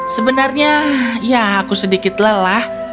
sebenarnya ya aku sedikit lelah